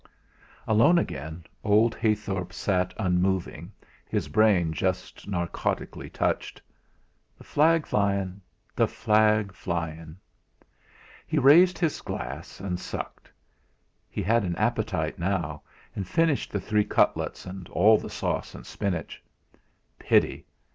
Alone again, old Heythorp sat unmoving, his brain just narcotically touched. "The flag flyin' the flag flyin'." He raised his glass and sucked. He had an appetite now, and finished the three cutlets, and all the sauce and spinach. Pity!